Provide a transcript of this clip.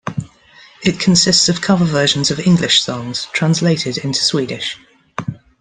It consists of cover versions of English songs, translated into Swedish.